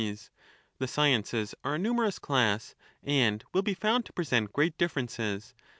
The sciences are a numerous class, and will be found to present great differences.